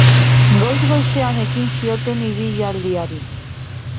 Goiz-goizean ekin zioten ibilaldiari.